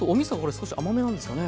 少し甘めなんですかね。